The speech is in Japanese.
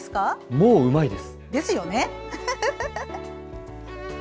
もう、うまいです。ですよね。